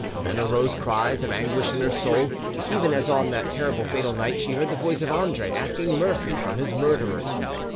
Then arose cries of anguish in her soul, even as on that terrible fatal night she heard the voice of Andre asking mercy from his murderers.